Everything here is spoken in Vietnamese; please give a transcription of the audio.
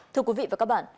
thưa quý vị và các bạn